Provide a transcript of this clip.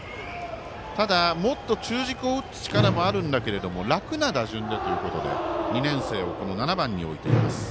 ただ、もっと中軸を打つ力もあるんだけれども楽な打順でということで２年生を７番に置いています。